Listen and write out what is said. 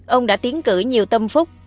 ông đã tiến cử nhiều tâm phúc